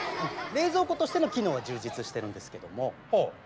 冷蔵庫としての機能が充実してるんですけども。